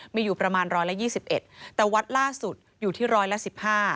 มีอยู่ประมาณร้อยละ๒๑แต่วัดล่าสุดอยู่ที่ร้อยละ๑๕